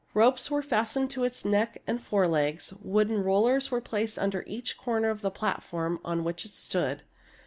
Ropes were fastened to its neck and forelegs. Wooden rollers were placed under each corner of the platform on which it stood.